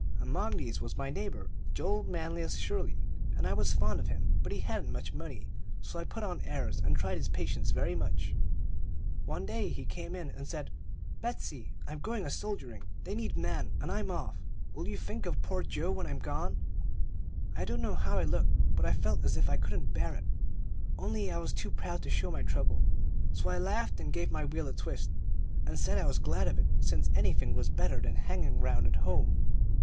"Among these, was my neighbor Joel Manlius Shirley, and I was fond of him; but he hadn't much money, so I put on airs, and tried his patience very much. One day he came in and said: 'Betsey, I'm going a soldiering; they need men, and I'm off. Will you think of poor Joe when I'm gone?' "I don't know how I looked, but I felt as if I couldn't bear it. Only I was too proud to show my trouble; so I laughed, and gave my wheel a twist, and said I was glad of it, since anything was better than hanging round at home.